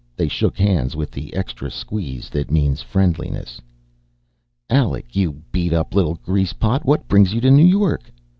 They shook hands, with the extra squeeze that means friendliness. "Alec, you beat up little grease pot, what brings you to New York?"